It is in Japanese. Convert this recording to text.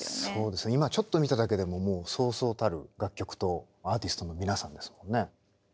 そうですね今ちょっと見ただけでももうそうそうたる楽曲とアーティストの皆さんですもんね。